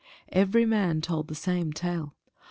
Every man told the same tale.